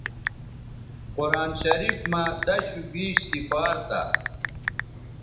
قرآن شریف مہ دشوبیش سفار تھا